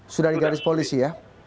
sudah di garis polisi ya